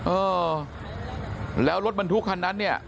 เออแล้วรถบรรทุกคันนั้นเนี่ย